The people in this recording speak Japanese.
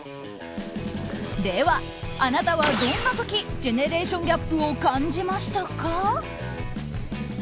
では、あなたはどんな時ジェネレーションギャップを感じましたか？